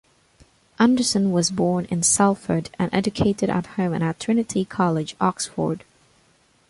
Anderson was born in Salford and educated at home and at Trinity College, Oxford.